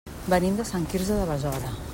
Venim de Sant Quirze de Besora.